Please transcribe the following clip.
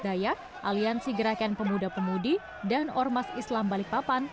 dayak aliansi gerakan pemuda pemudi dan ormas islam balikpapan